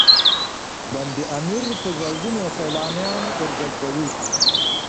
بند امیر په زرګونه سیلانیان ورجذبوي